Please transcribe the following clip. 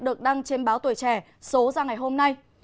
được đăng trên báo tuổi trẻ số ra ngày hôm nay